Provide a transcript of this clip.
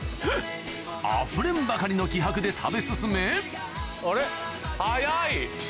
あふれんばかりの気迫で食べ進め早い！